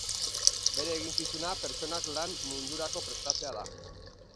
Bere eginkizuna pertsonak lan mundurako prestatzea da.